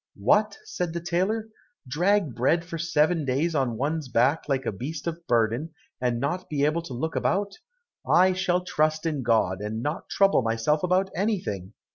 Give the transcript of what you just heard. "What!" said the tailor, "drag bread for seven days on one's back like a beast of burden, and not be able to look about. I shall trust in God, and not trouble myself about anything!